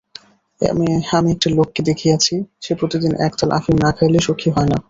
আমি একটি লোককে দেখিয়াছি, সে প্রতিদিন একতাল আফিম না খাইলে সুখী হয় না।